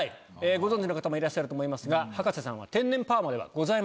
ご存じの方もいらっしゃると思いますが葉加瀬さんは天然パーマではございません。